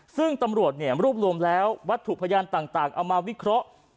ซึ่งตำรวจรวบรวมแล้ววัตถุพยานต่างเอามาวิเคราะห์